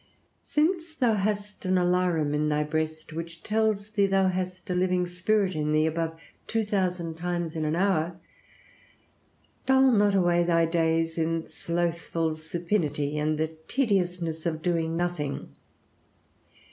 Since thou hast an alarum in thy breast, which tells thee thou hast a living spirit in thee above two thousand times in an hour, dull not away thy days in slothful supinity and the tediousness of doing nothing.